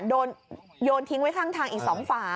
โยนทิ้งไว้ข้างทางอีก๒ฝา